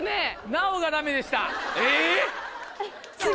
奈央がダメでした。